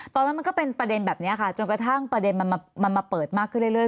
ตอนนั้นมันก็เป็นประเด็นแบบนี้ค่ะจนกระทั่งประเด็นมันมาเปิดมากขึ้นเรื่อย